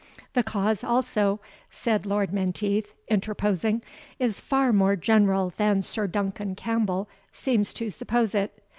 "The cause also," said Lord Menteith, interposing, "is far more general than Sir Duncan Campbell seems to suppose it.